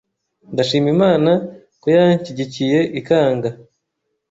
Ndashima Imana ko yanshyigikiye ikanga